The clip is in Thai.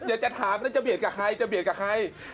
เดี๋ยวจะถามจะเบียดกับใคร